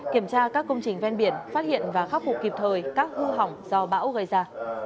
kiểm tra các công trình ven biển phát hiện và khắc phục kịp thời các hư hỏng do bão gây ra